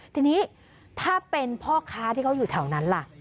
ทีนี้ถ้าเป็นพ่อค้าที่เขาอยู่แถวนั้นล่ะ